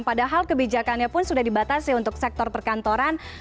padahal kebijakannya pun sudah dibatasi untuk sektor perkantoran